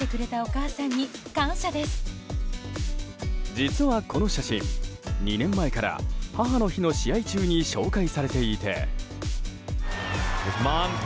実はこの写真、２年前から母の日の試合中に紹介されていて。